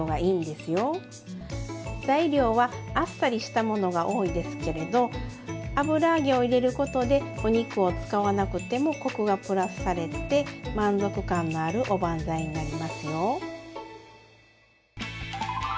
材料はあっさりしたものが多いですけれど油揚げを入れることでお肉を使わなくてもコクがプラスされて満足感のあるおばんざいになりますよ。